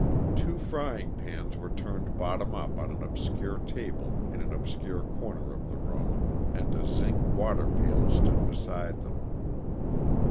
Two frying pans were turned bottom up on an obscure table in an obscure corner of the room, and a zinc water pail stood beside them.